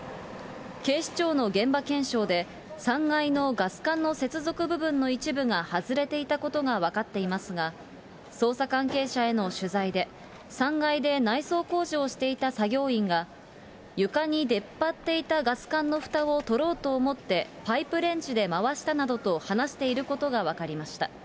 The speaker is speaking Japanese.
警視庁の現場検証で、３階のガス管の接続部分の一部が外れていたことが分かっていますが、捜査関係者への取材で、３階で内装工事をしていた作業員が、床に出っ張っていたガス管のふたを取ろうと思って、パイプレンチで回したなどと話していることが分かりました。